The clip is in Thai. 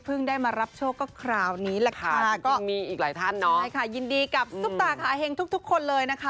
เพิ่งได้มารับโชคก็คราวนี้แหละค่ะยินดีกับซุปตาคาเฮงทุกคนเลยนะคะ